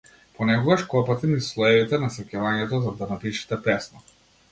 Понекогаш копате низ слоевите на сеќавањето за да напишете песна.